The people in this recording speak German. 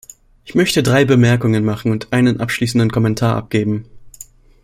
Ich möchte drei Bemerkungen machen und einen abschließenden Kommentar abgeben.